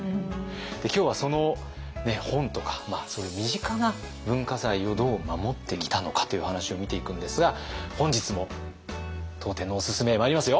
今日はその本とかそういう身近な文化財をどう守ってきたのかという話を見ていくんですが本日も当店のおすすめまいりますよ。